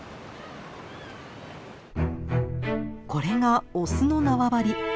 これがオスの縄張り。